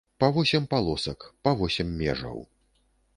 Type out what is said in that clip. Па восем палосак, па восем межаў.